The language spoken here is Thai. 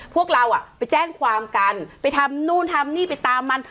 พวกเราอ่ะไปแจ้งความกันไปทำนู่นทำนี่ไปตามมัน